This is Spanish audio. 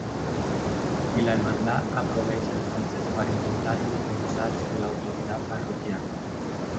Y la Hermandad aprovecha entonces para intentar independizarse de la autoridad parroquial.